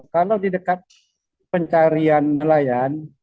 kalau di dekat pencarian nelayan